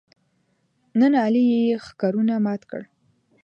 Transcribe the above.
نن علي یې ښکرونه مات کړل.